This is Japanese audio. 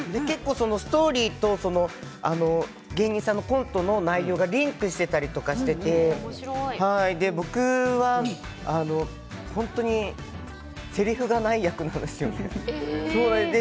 ストーリーと芸人さんのコントの内容がリンクしていたりして僕は本当にせりふがない役なんですよ。